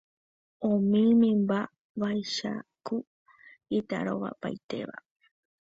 Umi mymba vaicháku itarovapaitéva.